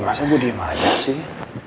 masa gua diem aja sih